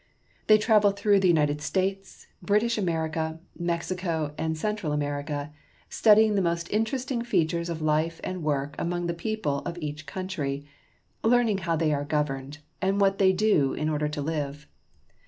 They travel through the United States, British America, Mexico, and Central America, studying the most interest ing features of life and work among the people of each country, learning how they are governed, and what they do in order to live.